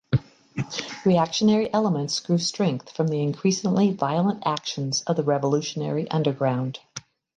Reactionary elements grew strength from the increasingly violent actions of the revolutionary underground.